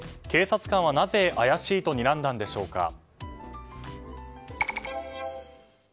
警察官は、なぜ怪しいとにらんだのでしょうか。